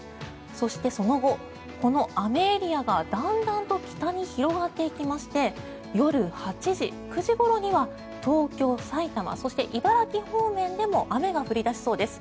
そして、その後この雨エリアがだんだんと北に広がっていきまして夜８時、９時ごろには東京、埼玉、そして茨城方面でも雨が降り出しそうです。